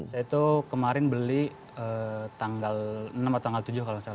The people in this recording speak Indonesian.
saya itu kemarin beli tanggal enam atau tanggal tujuh kalau tidak salah